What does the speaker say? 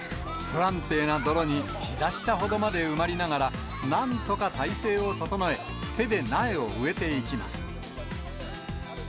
不安定な泥にひざ下ほどまで埋まりながら、なんとか体勢を整え、手で苗を植えていきます。